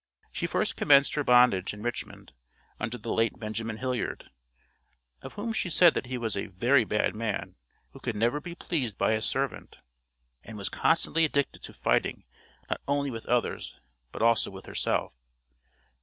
She first commenced her bondage in Richmond, under the late Benjamin Hilliard, of whom she said that he was "a very bad man, who could never be pleased by a servant," and was constantly addicted to fighting not only with others, but also with herself.